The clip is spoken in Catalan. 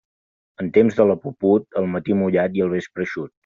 En temps de la puput, al matí mullat i al vespre eixut.